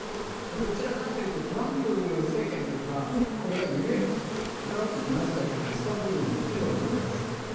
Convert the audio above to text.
どちらかというとトランプ政権の時はこれが緩やかでトランプってなぜかというとイスタンブールにホテルを持ってるんですよ。